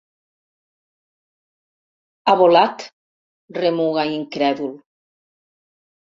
Ha volat —remuga incrèdul—.